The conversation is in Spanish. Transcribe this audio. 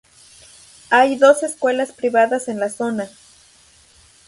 Hay dos escuelas privadas en la zona.